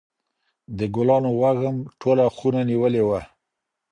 د ګلانو وږم ټوله خونه نیولې وه.